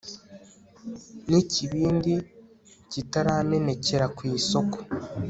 n'ikibindi kitaramenekera ku isōko